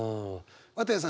綿矢さん